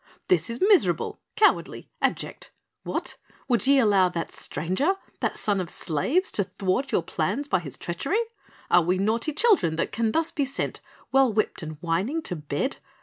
"This is miserable, cowardly, abject! What? Would ye allow that stranger, that son of slaves, to thwart your plans by his treachery? Are we naughty children that can thus be sent, well whipped and whining to bed?